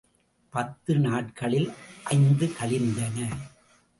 பத்து நாட்களில் ஐந்து கழிந்தன.